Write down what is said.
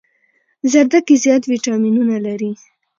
زردکي زيات ويټامينونه لري